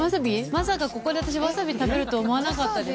まさかここで私わさび食べるとは思わなかったです。